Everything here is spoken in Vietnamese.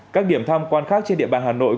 các điểm tham quan khác trên địa bàn hà nội